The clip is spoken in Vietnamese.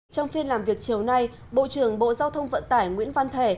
trong phiên làm việc chiều nay bộ trưởng bộ giao thông vận tải nguyễn văn thể